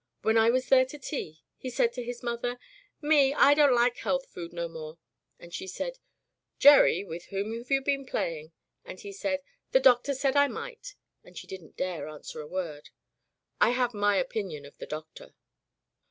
When I was there to tea, he said to his mother, *Me, I don* lak health food no more/ And she said, * Gerry, with whom have you been playing ?* And he said, *The Doctor said I might/ And she didn't dare answer a word, I have my opinion of the Doctor."